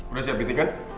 udah siap meeting kan